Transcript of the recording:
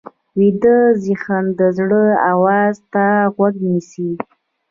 ویده ذهن د زړه آواز ته غوږ نیسي